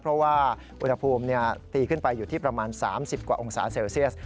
เพราะว่าอุณหภูมิตีขึ้นไปอยู่ที่ประมาณ๓๐กว่าองศาเซลเซียส